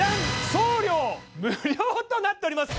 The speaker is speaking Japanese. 送料無料となっております！